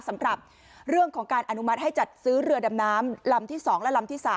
สำหรับเรื่องของการอนุมัติให้จัดซื้อเรือดำน้ำลำที่๒และลำที่๓